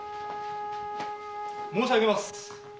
申し上げます。